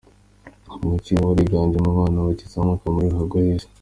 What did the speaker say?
Umukino wari wiganjemo abana bakizamuka muri ruhago y'isi.